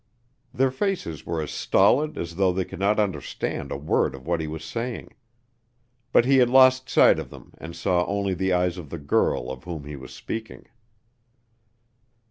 Their faces were as stolid as though they could not understand a word of what he was saying. But he had lost sight of them and saw only the eyes of the girl of whom he was speaking.